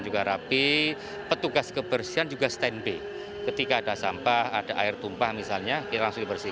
juga rapi petugas kebersihan juga stand b ketika ada sampah ada air tumpah misalnya sphere m complicati